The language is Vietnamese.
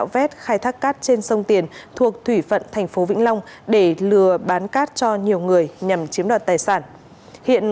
và sở tài nguyên